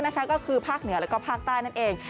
ก็คือภาคเหนือแล้วก็ภาคใต้นั่นเอง